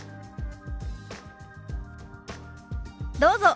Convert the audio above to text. どうぞ。